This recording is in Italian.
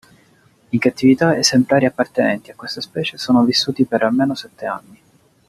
In cattività, esemplari appartenenti a questa specie sono vissuti per almeno sette anni.